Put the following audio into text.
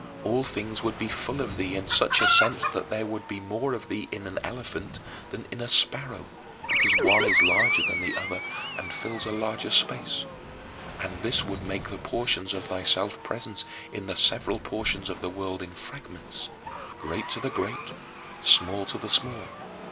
All things would be full of thee in such a sense that there would be more of thee in an elephant than in a sparrow, because one is larger than the other and fills a larger space. And this would make the portions of thyself present in the several portions of the world in fragments, great to the great, small to the small.